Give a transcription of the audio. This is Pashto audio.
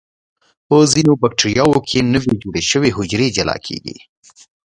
په ځینو بکټریاوو کې نوي جوړ شوي حجرې جلا کیږي.